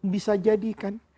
bisa jadi kan